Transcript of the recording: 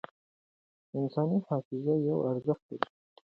انساني حافظه یو ارزښت دی.